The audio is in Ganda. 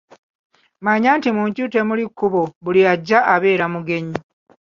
Manya nti mu nju temuli kkubo buli ajja abeera mugenyi.